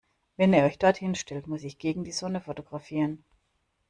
Wenn ihr euch dort hinstellt, muss ich gegen die Sonne fotografieren.